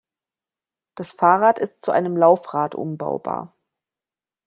Das Fahrrad ist zu einem Laufrad umbaubar.